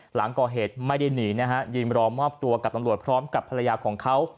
หลังก่อเหตุไม่ได้หนีนะฮะยืนรอมอบตัวกับตำรวจพร้อมกับภรรยาของเขา